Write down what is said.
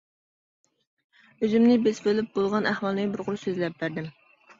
ئۆزۈمنى بېسىۋېلىپ بولغان ئەھۋالنى بىر قۇر سۆزلەپ بەردىم.